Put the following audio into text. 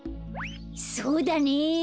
そうだね！